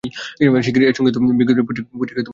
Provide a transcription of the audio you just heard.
শিগগির এ সংক্রান্ত বিজ্ঞপ্তি পত্রিকায় প্রকাশ করা হবে।